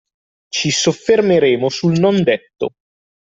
Ci soffermeremo sul non detto